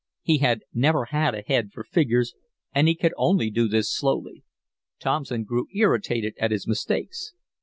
He had never had a head for figures, and he could only do this slowly. Thompson grew irritated at his mistakes.